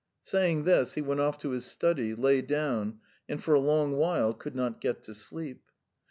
Saying this, he went off to his study, lay down, and for a long while could not get to sleep.